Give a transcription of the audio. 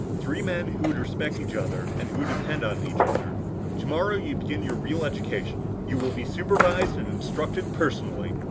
Three men who would respect each other and who could depend on each other. Tomorrow you begin your real education. You will be supervised and instructed personally.